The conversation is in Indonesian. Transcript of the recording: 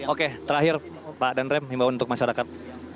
oke terakhir pak danrem himbawan untuk masyarakat